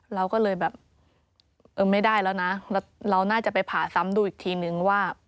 เราก็เลยแบบเออไม่ได้แล้วนะเราน่าจะไปผ่าซ้ำดูอีกทีนึงว่า